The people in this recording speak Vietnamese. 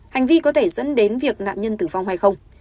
hành vi có thể dẫn đến việc nạn nhân tử vong hay không